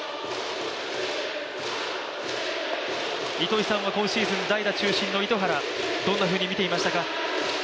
糸井さんは今シーズン代打中心の糸原どんなふうに見ていましたか。